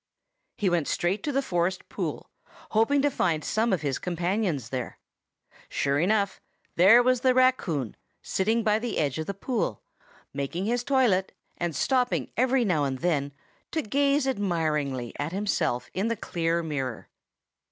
He went straight to the forest pool, hoping to find some of his companions there. Sure enough, there was the raccoon, sitting by the edge of the pool, making his toilet, and stopping every now and then to gaze admiringly at himself in the clear mirror.